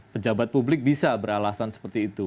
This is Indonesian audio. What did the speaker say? pejabat publik bisa beralasan seperti itu